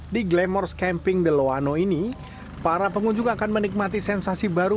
di glamours camping the loano ini para pengunjung akan menikmati sensasi baru